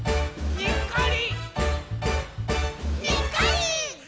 「にっこり！」